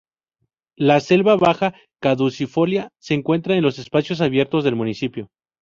La selva baja caducifolia, se encuentra en los espacios abiertos del municipio.